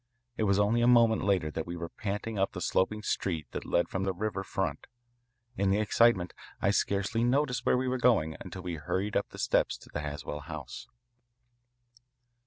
It was only a moment later that we were panting up the sloping street that led from the river front. In the excitement I scarcely noticed where we were going until we hurried up the steps to the Haswell house.